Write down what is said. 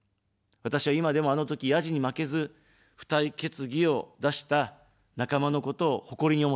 私は今でも、あのとき、ヤジに負けず、付帯決議を出した仲間のことを誇りに思っています。